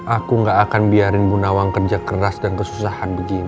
aku enggak akan biarin bu nawang kerja keras dan kesusahan dengan aku